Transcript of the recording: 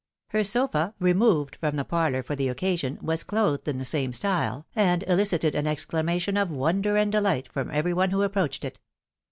Her sofa, removed from the parlour for the occasion, was clothed in the same style, and ehcited an exclamation of wonder and delight from every one who ap proached it.